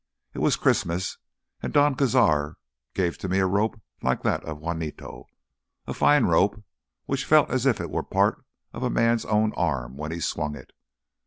It was Christmas and Don Cazar gave to me a rope like that of Juanito, a fine rope which felt as if it was a part of a man's own arm when he swung it.